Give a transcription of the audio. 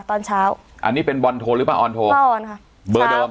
ตอนเช้าอันนี้เป็นบอลโทรหรือป้าอรโทรค่ะเบอร์เดิมบัวเดิม